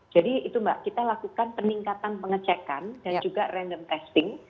jadi itu mbak kita lakukan peningkatan pengecekan dan juga random testing